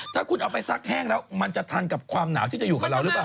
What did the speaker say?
ถ้าคุณเอาไปซักแห้งแล้วมันจะทันกับความหนาวที่จะอยู่กับเราหรือเปล่า